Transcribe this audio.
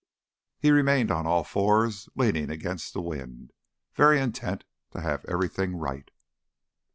He remained on all fours, leaning against the wind, very intent to have everything right.